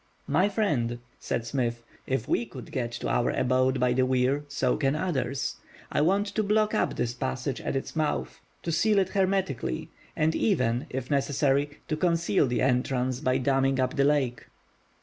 "My friend," said Smith, "if we could get to our abode by the weir, so can others. I want to block up this passage at its month, to seal it hermetically, and even, if necessary, to conceal the entrance by damming up the lake."